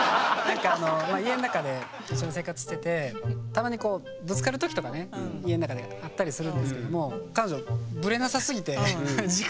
家の中で一緒に生活しててたまにこうぶつかる時とかね家の中であったりするんですけども彼女ブレなさすぎて軸が。